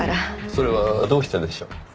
それはどうしてでしょう？